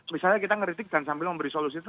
misalnya kita ngeritik dan sambil memberi solusi itu